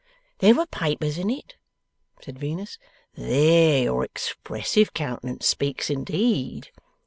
'There were papers in it,' said Venus. 'There your expressive countenance speaks indeed!